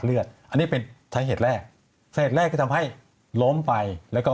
เลือดอันนี้เป็นสาเหตุแรกเหตุแรกก็ทำให้ล้มไปแล้วก็